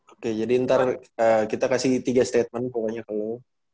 oke jadi ntar kita kasih tiga statement pokoknya kalau